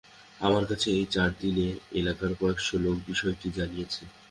আমার কাছে এই চার দিনে এলাকার কয়েক শ লোক বিষয়টি জানিয়েছে।